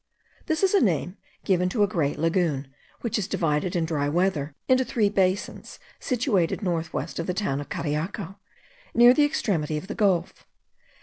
This is a name given to a great lagoon, which is divided in dry weather into three basins situated north west of the town of Cariaco, near the extremity of the gulf.